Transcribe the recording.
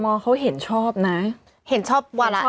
บรมมเขาเห็นชอบนะเห็นชอบวันแรก